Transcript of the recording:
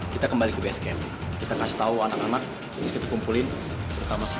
kita kembali ke basecamp kita kasih tahu anak anak kita kumpulin pertama sebuah